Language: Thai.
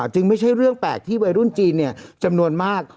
จึงไม่ใช่เรื่องแปลกที่วัยรุ่นจีนจำนวนมาก